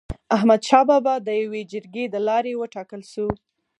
احمد شاه بابا د يوي جرګي د لاري و ټاکل سو.